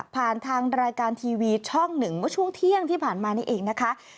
ผ่านทางรายการทีวีช่องหนึ่งเมื่อช่วงเที่ยงที่ผ่านมานี่เองนะคะ